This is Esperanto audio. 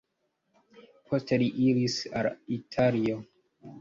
Poste li iris al Italio.